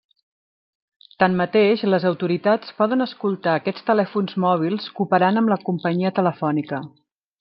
Tanmateix, les autoritats poden escoltar aquests telèfons mòbils cooperant amb la companyia telefònica.